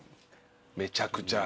めちゃくちゃ。